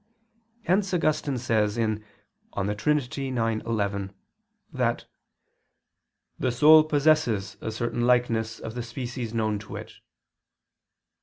Hence Augustine says (De Trin. ix, 11) that "the soul possesses a certain likeness of the species known to it."